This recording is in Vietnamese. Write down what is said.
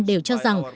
đều cho rằng